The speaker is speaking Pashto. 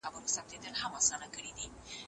انټرنیټ د بشري ټولنې لپاره یو ستر نعمت دی.